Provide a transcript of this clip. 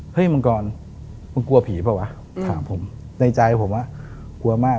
มังกรมึงกลัวผีเปล่าวะถามผมในใจผมอ่ะกลัวมาก